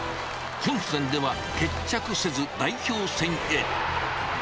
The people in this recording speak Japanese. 本戦では決着せず、代表選へ。